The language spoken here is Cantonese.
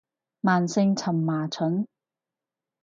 慢性蕁麻疹